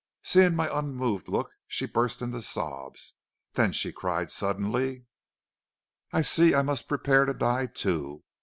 Seeing my unmoved look she burst into sobs, then she cried suddenly: "'I see I must prepare to die too.